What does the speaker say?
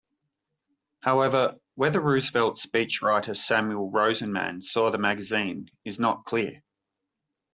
However, whether Roosevelt speechwriter Samuel Rosenman saw the magazine is not clear.